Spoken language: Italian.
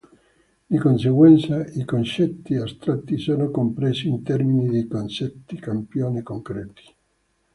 Di conseguenza, i concetti astratti sono compresi in termini di concetti-campione concreti.